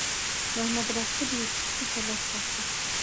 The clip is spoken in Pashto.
محمدرسول یوې ټیکسي ته لاس ورکړ.